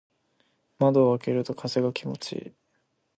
窓を開けると風が気持ちいい。